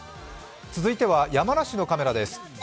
続いては山梨のカメラです。